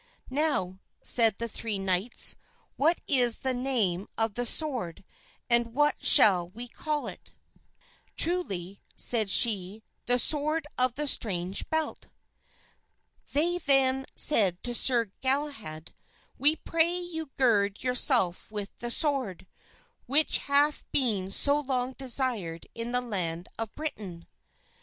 "Now," said the three knights, "what is the name of the sword and what shall we call it?" "Truly," said she, "the Sword of the Strange Belt." They then said to Sir Galahad, "We pray you to gird yourself with the sword, which hath been so long desired in the land of Britain."